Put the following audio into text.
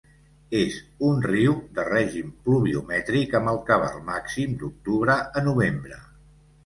És un riu de Règim pluviomètric amb el cabal màxim d'octubre a novembre.